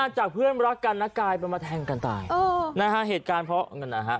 จากเพื่อนรักกันน่ะกายมาแทงกันตาย